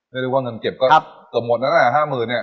ไม่รู้ว่าเงินเก็บก็หมดแล้วนะ๕๐๐๐๐บาทเนี่ย